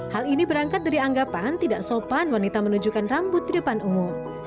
hal ini berangkat dari anggapan tidak sopan wanita menunjukkan rambut di depan umum